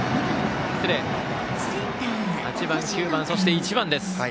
８番、９番、そして１番です。